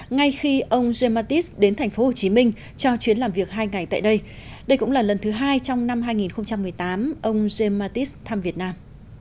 ngay khi ông james mattis đến tp hcm cho chuyến làm việc hai ngày tại đây đây cũng là lần thứ hai trong năm hai nghìn một mươi tám ông james mattis thăm việt nam